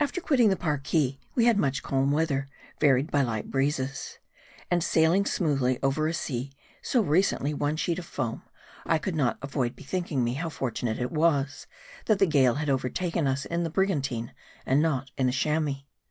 AFTER quitting the Parki, we had much calm weather, varied .by light breezes. And sailing smoothly over a sea, so recently one sheet of foam, I could not avoid bethinking me. how fortunate it was, that the gale had overtaken us in the brigantine, and not in the Chamois.